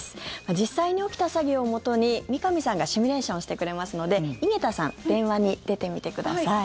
実際に起きた詐欺をもとに三上さんがシミュレーションしてくれますので井桁さん電話に出てみてください。